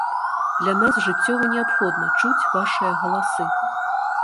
Для нас жыццёва неабходна чуць вашыя галасы!